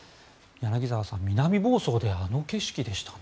柳澤さん、南房総であの景色でしたね。